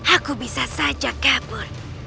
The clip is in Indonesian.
aku bisa saja kabur